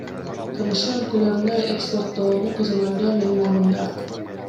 КМШ өлкөлөрүнө экспорттоону көзөмөлдөө менин моюнумда.